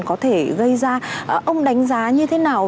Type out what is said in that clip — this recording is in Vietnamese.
có thể gây ra ông đánh giá như thế nào